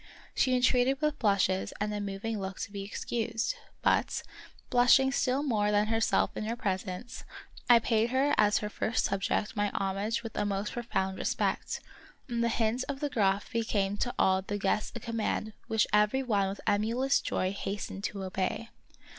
She en treated with blushes and a moving look to be excused ; but, blushing still more than herself in her presence, I paid her as her first subject my homage with a most profound respect, and the hint of the Graf became to all the guests a com mand which every one with emulous joy hastened to obey.